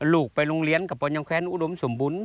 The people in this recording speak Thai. ลูกไปลุงเลี้ยนกับป่อยังแค้นอุดมสมบุญ